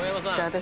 私